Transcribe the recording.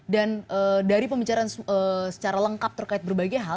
dan dari pembicaraan secara lengkap terkait berbagai hal